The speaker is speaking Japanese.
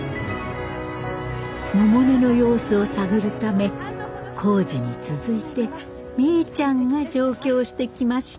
百音の様子を探るため耕治に続いてみーちゃんが上京してきました。